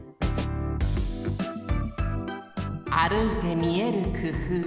あるいてみえるくふう。